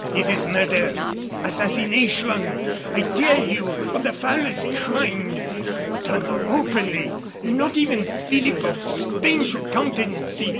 This is murder assassination, I tell you of the foulest kind! Done openly, and not even Philip of Spain could countenance it.